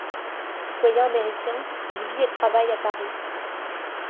Citoyen américain, il vit et travaille à Paris.